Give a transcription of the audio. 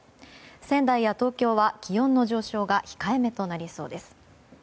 仙台や東京は気温の上昇が控えめとなりそうです。